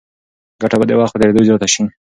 ګټه به د وخت په تېرېدو زیاته شي.